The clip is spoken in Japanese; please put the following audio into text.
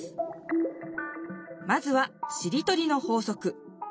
まずは「しりとりの法則」。